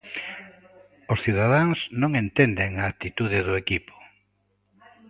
Os cidadáns non entenden a actitude do equipo.